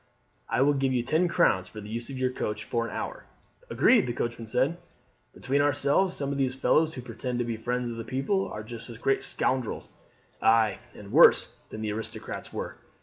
I will give you ten crowns for the use of your coach for an hour." "Agreed!" the coachman said. "Between ourselves, some of these fellows who pretend to be friends of the people are just as great scoundrels, ay, and worse, than the aristocrats were.